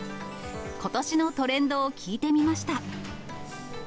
ことしのトレンドを聞いてみました。